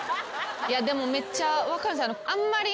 でもめっちゃ分かるんですあんまり。